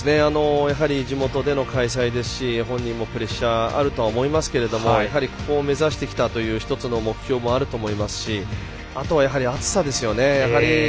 地元での開催ですし本人もプレッシャーあると思いますけどここを目指してきたという一つの目標もあると思いますしあとは、暑さですよね。